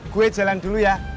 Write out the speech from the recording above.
gue jalan dulu ya